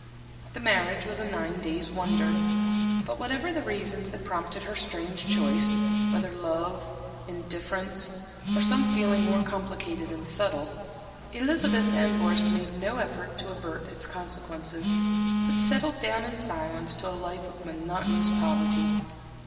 The marriage was a nine days' wonder; but whatever the reasons that prompted her strange choice whether love, indifference, or some feeling more complicated and subtle; Elizabeth Van Vorst made no effort to avert its consequences, but settled down in silence to a life of monotonous poverty.